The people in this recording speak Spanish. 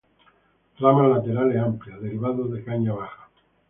Ramas laterales amplias; derivado de caña baja.